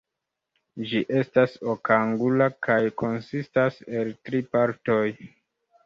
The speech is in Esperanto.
Ĝi estas okangula kaj konsistas el tri partoj.